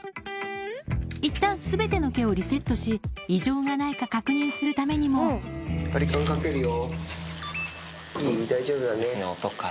いったん、すべての毛をリセットし、異常がないか確認するためにバリカンかけるよ。